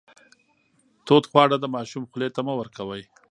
تود خواړه د ماشوم خولې ته مه ورکوئ.